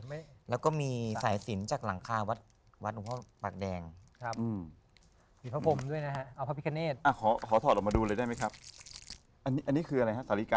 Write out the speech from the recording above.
ไม่แล้วก็มีสายสินจากหลังคะวัดวัดอุงโพธิเปล